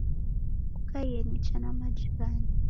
Kukaie nicha na majirani.